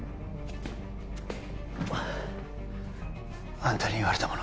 あんたに言われたもの